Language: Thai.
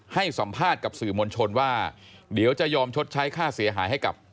ให้สัมภาษณ์กับสื่อมวลชนว่าเดี๋ยวจะยอมชดใช้ค่าเสียหายให้กับ